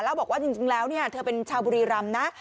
แล้วบอกว่าจริงแล้วเธอเป็นชาวบุรีรำนะ